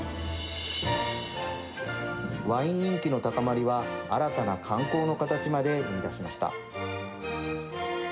ワイン人気の高まりは新たな観光の形まで生み出しました。